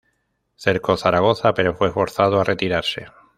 Cercó Zaragoza, pero fue forzado a retirarse.